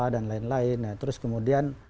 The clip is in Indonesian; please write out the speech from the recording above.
dan lain lain terus kemudian